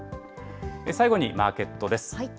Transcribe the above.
最後にマーケットです。